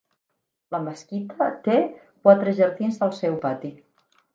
La mesquita té quatre jardins al seu pati.